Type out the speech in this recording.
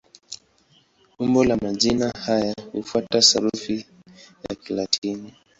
Umbo la majina haya hufuata sarufi ya Kilatini.